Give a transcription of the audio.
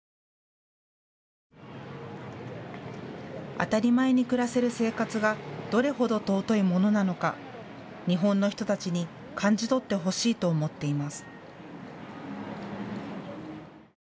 当たり前に暮らせる生活がどれほど尊いものなのか、日本の人たちに感じ取ってほしいと思っています。